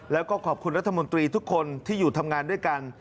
แล้วก็ขอบคุณรัฐมนตรีทุกคนที่อยู่ทำงานด้วยกัน